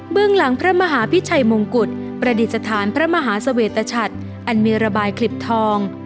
หลังพระมหาพิชัยมงกุฎประดิษฐานพระมหาเสวตชัดอันมีระบายคลิบทอง